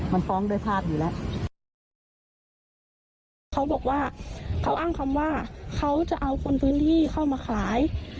มันฟ้องด้วยภาพอยู่แล้วเขาบอกว่าเขาอ้างคำว่าเขาจะเอาคนพื้นที่เข้ามาขาย